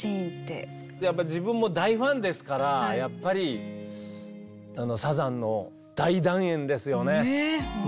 やっぱり自分も大ファンですからサザンの大団円ですよね。